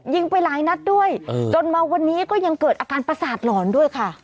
ไปหลายนัดด้วยจนมาวันนี้ก็ยังเกิดอาการประสาทหลอนด้วยค่ะ